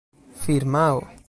firmao